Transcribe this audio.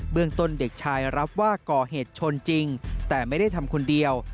เมืองต้นเด็กชายรับว่าก่อเหตุชนจริงแต่ไม่ได้ทำคนเดียว